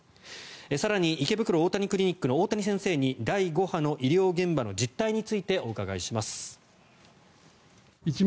更に、池袋大谷クリニックの大谷先生に第５波の医療現場の実態についてお伺いします。